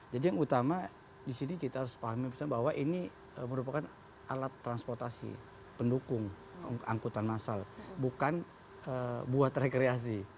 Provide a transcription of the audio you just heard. jadi yang utama disini kita harus pahami bahwa ini merupakan alat transportasi pendukung angkutan massal bukan buat rekreasi